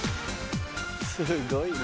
すごいな。